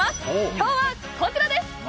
今日はこちらです！